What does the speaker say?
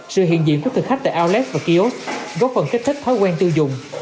sự hiện diện của thực khách tại allet và kiosk góp phần kích thích thói quen tiêu dùng